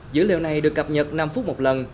dữ liệu này được cập nhật năm phút một lần